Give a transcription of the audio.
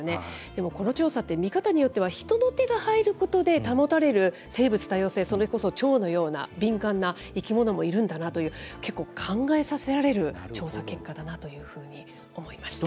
でもこの調査って、見方によっては人の手が入ることで保たれる生物多様性、それこそチョウのような敏感な生き物もいるんだなって、結構、考えさせられる調査結果だなというふうに思いました。